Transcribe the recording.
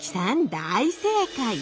大正解！